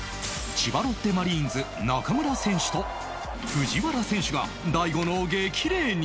千葉ロッテマリーンズ中村選手と藤原選手が大悟の激励に！